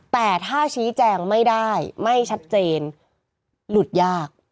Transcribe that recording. แต่ถ้าชี้แจงไม่ได้ไม่ชัดเจนหลุดยาก